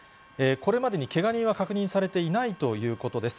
これまでにけが人は確認されていないということです。